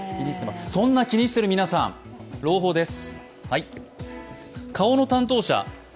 そんな気にしている皆さん朗報です。